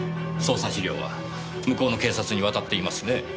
捜査資料は向こうの警察に渡っていますね。